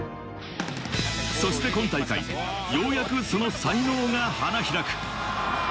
そして今大会、ようやくその才能が花開く。